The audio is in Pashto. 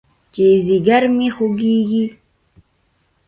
چې ځيگر مې خوږېږي.